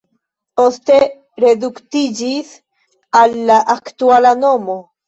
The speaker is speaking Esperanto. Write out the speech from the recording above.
Poste reduktiĝis al la aktuala nomo.